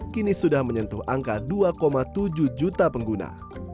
kini sudah menyentuh angka dua tujuh juta pengguna